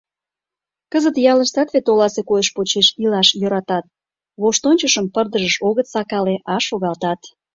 Кызыт ялыштат вет оласе койыш почеш илаш йӧратат: воштончышым пырдыжыш огыт сакалте, а — шогалтат.